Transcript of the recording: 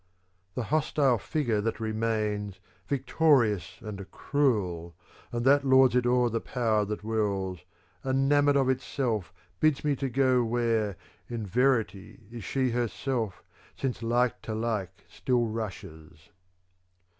The hostile figure that remains, victorious and cruel, and that lords it o'er the power that wills, Enamoured of itself bids me to go where, in verity, is she herself since like to like still rushes.